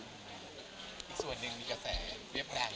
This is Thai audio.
อีกส่วนหนึ่งมีกระแสเรียบพลัง